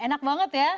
enak banget ya